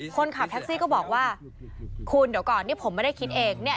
คนขับแท็กซี่ก็บอกว่าคุณเดี๋ยวก่อนนี่ผมไม่ได้คิดเองเนี่ย